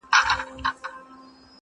څوك به غوږ نيسي نارو ته د بې پلارو،